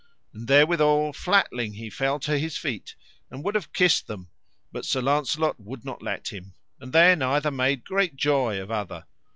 And therewithal flatling he fell to his feet, and would have kissed them, but Sir Launcelot would not let him; and then either made great joy of other.